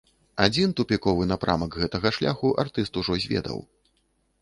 Адзін тупіковы напрамак гэтага шляху артыст ужо зведаў.